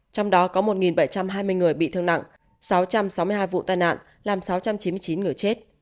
trong đó có một bảy trăm hai mươi người bị thương nặng sáu trăm sáu mươi hai vụ tai nạn làm sáu trăm chín mươi chín người chết